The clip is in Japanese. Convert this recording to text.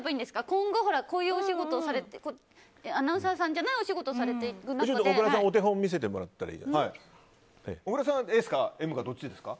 今後、こういうお仕事アナウンサーさんじゃないお仕事をされていく中で小倉さん、お手本見せてもらってもいいですか？